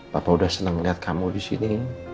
papa udah senang melihat kamu disini